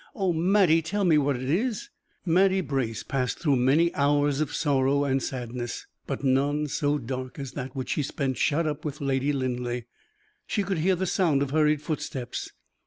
Oh, Mattie, tell me what it is?" Mattie Brace passed through many hours of sorrow and sadness, but none so dark as that which she spent shut up with Lady Linleigh. She could hear the sound of hurried footsteps.